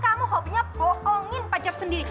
kamu hobinya bohongin pacar sendiri